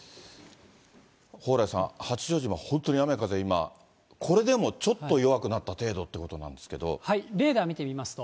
蓬莱さん、八丈島、本当に雨、風、今、これでもちょっと弱くなったレーダー見てみますと。